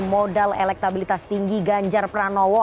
modal elektabilitas tinggi ganjar pranowo